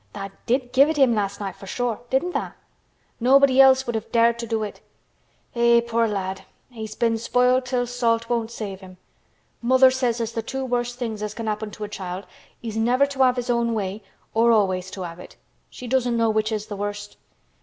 Tha' did give it him last night for sure—didn't tha? Nobody else would have dared to do it. Eh! poor lad! He's been spoiled till salt won't save him. Mother says as th' two worst things as can happen to a child is never to have his own way—or always to have it. She doesn't know which is th' worst.